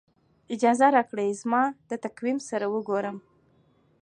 اجازه راکړئ زما د تقویم سره وګورم.